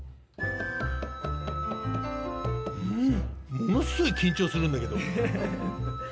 うんものすごい緊張するんだけど。